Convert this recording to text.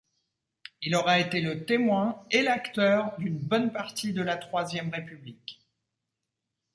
Il aura été le témoin et l'acteur d'une bonne partie de la troisième République.